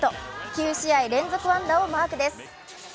９試合連続安打をマークです。